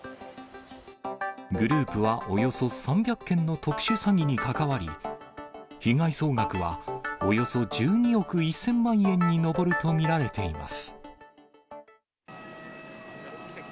グループはおよそ３００件の特殊詐欺に関わり、被害総額はおよそ１２億１０００万円に上ると見られています。